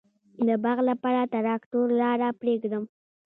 د باغ لپاره د تراکتور لاره پریږدم؟